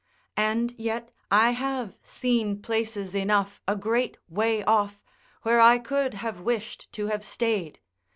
And yet I have seen places enough a great way off, where I could have wished to have stayed.